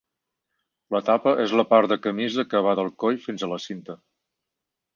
La tapa és la part de camisa que va del coll fins a la cinta.